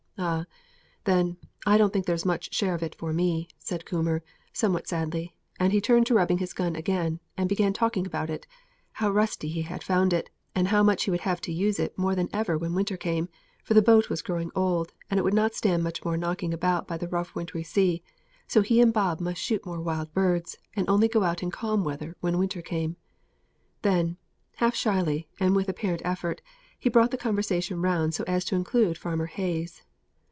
"Ah, then, I don't think there's much share of it for me," said Coomber, somewhat sadly; and he turned to rubbing his gun again, and began talking about it how rusty he had found it, and how he would have to use it more than ever when winter came, for the boat was growing old, and would not stand much more knocking about by the rough wintry sea; so he and Bob must shoot more wild birds, and only go out in calm weather when winter came. Then half shyly, and with apparent effort, he brought the conversation round so as to include Farmer Hayes.